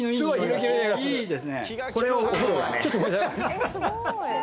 「えっすごーい！」